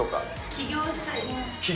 起業したい？